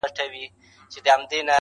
لا معیار د سړیتوب مال و دولت دی,